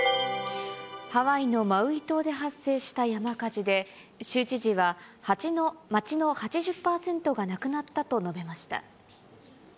ハワイのマウイ島で発生した山火事で、州知事は街の８０％がなくなったと述べました。